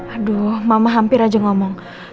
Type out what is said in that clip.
aduh mama hampir aja ngomong